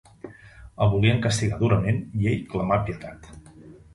El volien castigar durament i ell clamà pietat.